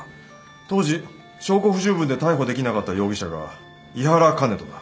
当時証拠不十分で逮捕できなかった容疑者が井原香音人だ。